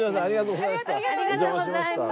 ありがとうございます。